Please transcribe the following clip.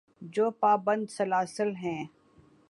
جو پابند سلاسل ہیں۔